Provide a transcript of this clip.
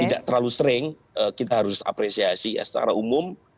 tidak terlalu sering kita harus apresiasi secara umum